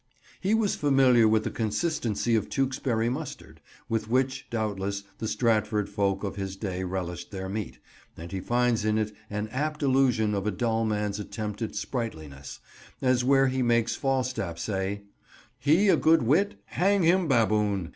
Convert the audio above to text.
He was familiar with the consistency of Tewkesbury mustard, with which, doubtless, the Stratford folk of his day relished their meat, and he finds in it an apt illustration of a dull man's attempted sprightliness: as where he makes Falstaff say, "He a good wit, hang him baboon!